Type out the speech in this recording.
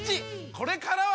これからは！